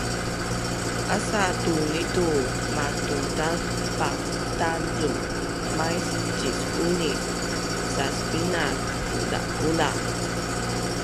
Asa tu nitu matutalpatazun mais cis-unis Sasbinaz Kuzakuza